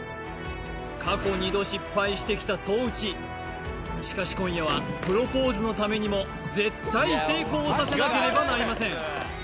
過去二度失敗してきた双打しかし今夜はプロポーズのためにも絶対成功させなければなりません